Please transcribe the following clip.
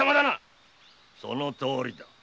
そのとおり。